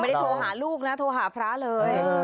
ไม่ได้โทรหาลูกนะโทรหาพระเลย